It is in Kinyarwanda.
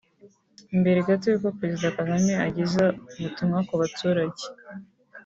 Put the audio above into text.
Mbere gato y’uko Perezida Kagame ageza ubutumwa ku baturage